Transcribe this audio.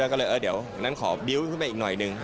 ก็เลยเดี๋ยวขอบิลท์ขึ้นไปอีกหน่อยหนึ่ง